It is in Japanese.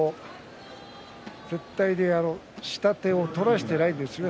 絶対に下手を取らせてないんですね